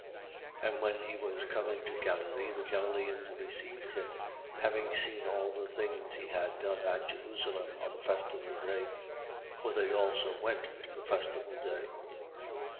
4:45. And when he was come into Galilee, the Galileans received him, having seen all the things he had done at Jerusalem on the festival day: for they also went to the festival day.